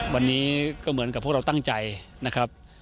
วันนี้ก็เหมือนกับพวกเราตั้งใจนะครับ